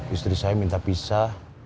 istri saya minta pisah